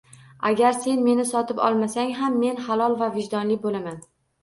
- Agar sen meni sotib olmasang ham men halol va vijdonli boʻlaman